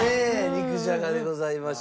肉じゃがでございました。